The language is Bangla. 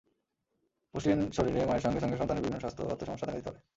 পুষ্টিহীন শরীরে মায়ের সঙ্গে সঙ্গে সন্তানের বিভিন্ন স্বাস্থ্যগত সমস্যা দেখা দিতে পারে।